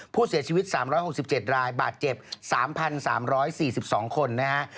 ผู้เสียชีวิต๓๖๗รายบาดเจ็บ๓๓๔๒คนนะฮะ